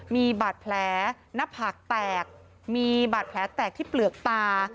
มีบาดแผลหน้าผากแตกมีบาดแผลแตกที่เปลือกตา